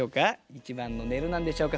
１番の「寝る」なんでしょうか。